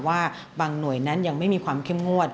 ว่าบางหน่วยนั้นยังไม่มีความเข้มงวด